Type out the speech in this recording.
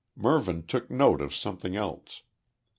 Mervyn took note of something else.